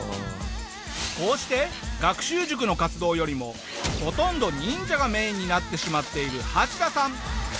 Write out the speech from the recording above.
こうして学習塾の活動よりもほとんど忍者がメインになってしまっているハチダさん。